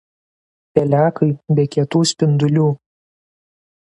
Pelekai be kietų spindulių.